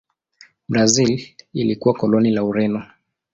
Brazil ilikuwa koloni la Ureno.